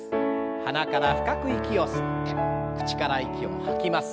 鼻から深く息を吸って口から息を吐きます。